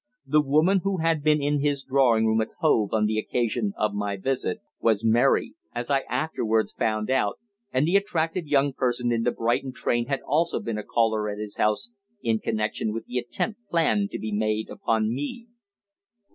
The woman who had been in his drawing room at Hove on the occasion of my visit was Mary, as I afterwards found out, and the attractive young person in the Brighton train had also been a caller at his house in connection with the attempt planned to be made upon me.